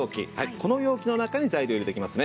この容器の中に材料を入れていきますね。